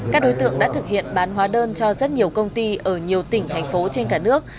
các đối tượng đã thực hiện bán hóa đơn cho rất nhiều công ty ở nhiều tỉnh thành phố trên cả nước